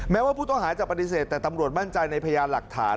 แม้ว่าผู้ต้องหาจะปฏิเสธแต่ตำรวจมั่นใจในพยานหลักฐาน